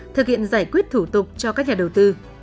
thực hiện giải quyết thủ tục cho các nhà đầu tư